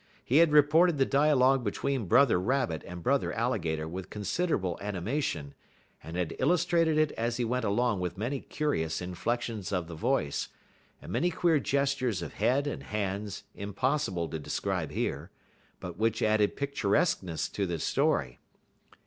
He had reported the dialogue between Brother Rabbit and Brother Alligator with considerable animation, and had illustrated it as he went along with many curious inflections of the voice, and many queer gestures of head and hands impossible to describe here, but which added picturesqueness to the story.